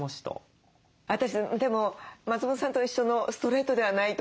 私でも松本さんと一緒のストレートではないと。